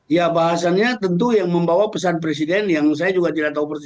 ya bahasannya tentu yang membawa pesan presiden yang saya juga tidak tahu persis